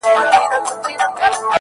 د شعرونو کتابچه وای٫